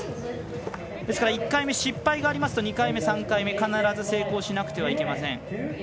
１回目失敗がありますと２回目、３回目必ず成功しなくてはいけません。